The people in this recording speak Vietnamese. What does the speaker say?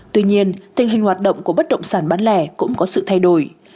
tuy nhiên tình hình hoạt động của bất động sản bán lẻ cũng có sự thay đổi